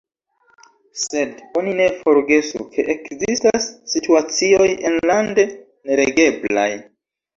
Sed oni ne forgesu, ke ekzistas situacioj enlande neregeblaj.